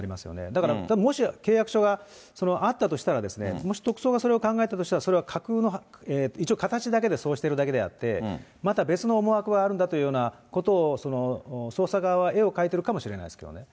だからもし契約書があったとしたら、もし特捜がそれを考えたとしたら、それは架空の、一応形だけでそうしてるだけであって、また別の思惑があるんだというようなことを、捜査側は絵を描いてるかもしれないですけどね。